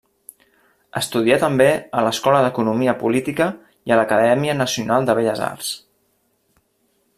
Estudià també a l'escola d'Economia Política i a l'Acadèmia Nacional de Belles Arts.